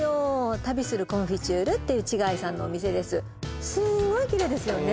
旅するコンフィチュールっていう違さんのお店ですすーごいキレイですよね